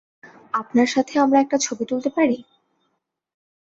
আপনার সাথে আমরা একটা ছবি তুলতে পারি?